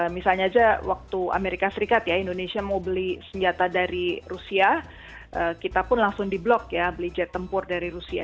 misalnya saja waktu amerika serikat ya indonesia mau beli senjata dari rusia kita pun langsung di blok ya beli jet tempur dari rusia